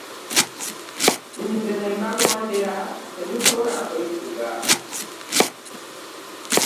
Ne bwebagondera temusobola kwefuga.